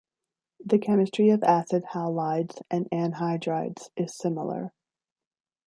The chemistry of acid halides and anhydrides is similar.